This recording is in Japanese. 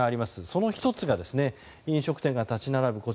その１つが、飲食店が立ち並ぶ